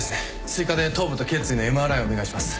追加で頭部と頸椎のＭＲＩお願いします。